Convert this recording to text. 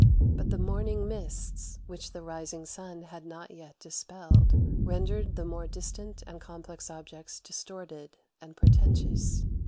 But the morning mists, which the rising sun had not yet dispelled, rendered the more distant and complex objects distorted and portentous.